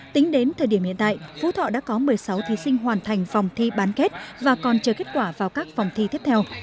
tính đến thời điểm hiện tại phú thọ đã có một mươi sáu thí sinh hoàn thành phòng thi bán kết và còn chờ kết quả vào các phòng thi tiếp theo